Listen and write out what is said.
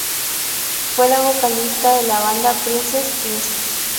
Fue la vocalista de la banda "Princess Princess".